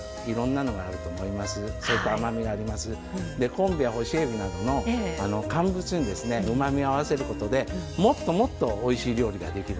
昆布や干しえびなどの乾物にうまみを合わせることでもっともっとおいしい料理ができる。